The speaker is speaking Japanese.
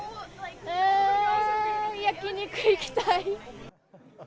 焼肉行きたい。